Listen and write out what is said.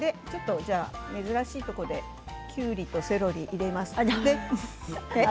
珍しいところできゅうりとセロリを入れます。